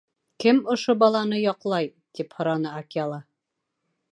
— Кем ошо баланы яҡлай? — тип һораны Акела.